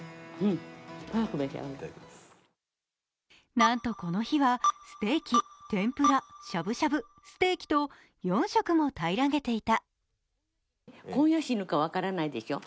なんと、この日は、ステーキ、天ぷら、しゃぶしゃぶ、ステーキと４食も平らげていた。